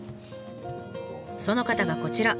その方がこちら。